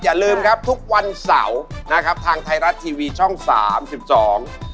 อย่าลืมครับทุกวันเสาร์นะครับทางไทยรัฐทีวีช่องสามสิบสอง